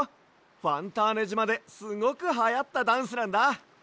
ファンターネじまですごくはやったダンスなんだ。